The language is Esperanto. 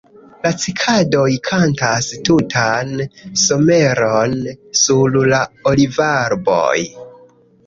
La cikadoj kantas tutan someron sur la olivarboj.